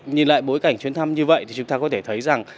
nhìn lại bối cảnh chuyến thăm như vậy thì chúng ta có thể thấy rằng